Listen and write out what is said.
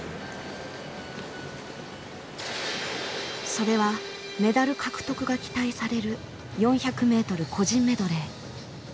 それはメダル獲得が期待される４００ｍ個人メドレー。